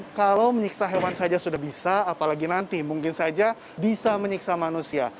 kalau menyiksa hewan saja sudah bisa apalagi nanti mungkin saja bisa menyiksa manusia